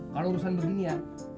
kalau urusan begini ya